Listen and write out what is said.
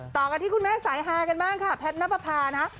ต่อกันที่คุณแม่สายฮากันบ้างค่ะแพทย์นับประพานะ